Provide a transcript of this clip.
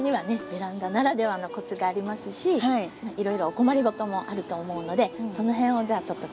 ベランダならではのコツがありますしいろいろお困りごともあると思うのでその辺をじゃあちょっと今日はお話ししたいと思います。